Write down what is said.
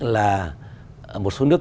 là một số nước